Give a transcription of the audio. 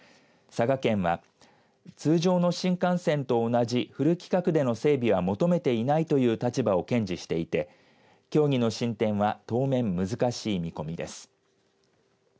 佐賀県は通常の新幹線と同じフル規格での整備は求めていないという立場を堅持していて協議の進展は当面、難しい見込みです。